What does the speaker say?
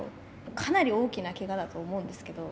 かなり大きなけがだと思うんですけれども。